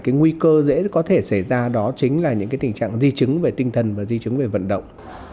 cái nguy cơ dễ có thể xảy ra đó chính là những tình trạng di chứng về tinh thần và di chứng về vận động